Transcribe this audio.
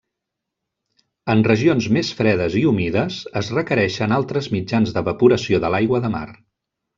En regions més fredes i humides, es requereixen altres mitjans d'evaporació de l'aigua de mar.